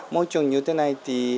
môi trường như thế này